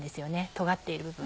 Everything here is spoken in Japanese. とがっている部分。